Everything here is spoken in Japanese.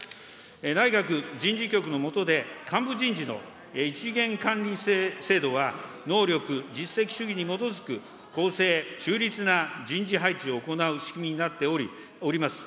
内閣人事局の下で幹部人事の一元管理制度は能力、実績主義に基づく公正・中立な人事配置を行う仕組みになっております。